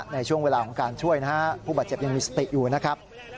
ในช่วงเวลาของการช่วยนะฮะผู้บาดเจ็บยังมีสติอยู่นะครับ